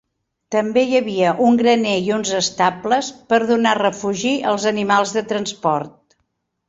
També hi havia un graner i uns estables per donar refugi als animals de transport.